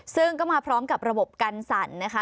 ซึ่งก็มาพร้อมกับระบบกันสั่นนะคะ